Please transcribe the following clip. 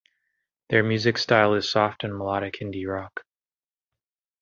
Their music style is soft and melodic indie rock.